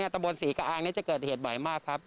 ตะบนศรีกะอางจะเกิดเหตุบ่อยมากครับ